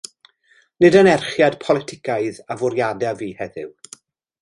Nid anerchiad politicaidd a fwriadaf fi heddiw.